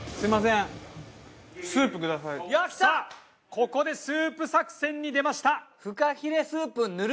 ここでスープ作戦に出ました。